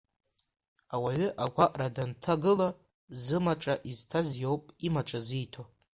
Ауаҩы агәаҟра данҭагыла, зымаҿа изҭаз иоуп имаҿа зиҭо.